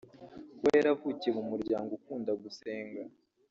Kuba yaravukiye mu muryango ukunda gusenga